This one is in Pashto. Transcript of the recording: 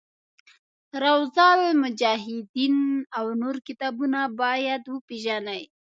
روضة المجاهدین او نور کتابونه باید وپېژني.